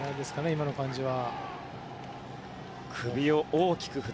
今の感じでは。